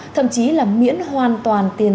thậm chí là miễn hoàn toàn tiền